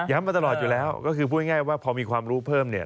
มาตลอดอยู่แล้วก็คือพูดง่ายว่าพอมีความรู้เพิ่มเนี่ย